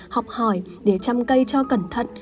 học hỏi để chăm cây cho cẩn thận